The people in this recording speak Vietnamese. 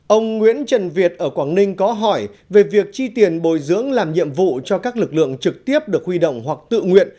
ông nguyễn trần việt ở quảng ninh có hỏi về việc chi tiền bồi dưỡng làm nhiệm vụ cho các lực lượng trực tiếp được huy động hoặc tự nguyện